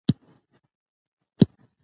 بیا خپل نظر څرګند کړئ.